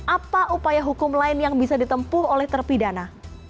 apa upaya hukum lain yang bisa ditempuh oleh terpidana